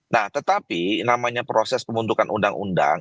nah tetapi namanya proses pembentukan undang undang